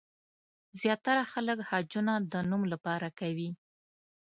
زیاتره خلک حجونه د نوم لپاره کوي.